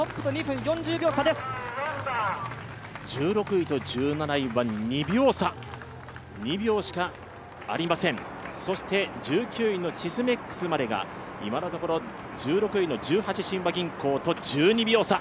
１６位と１７位は２秒差、２秒しかありません、そして１９位のシスメックスまでが今のところ１６位の十八親和銀行と１２秒差。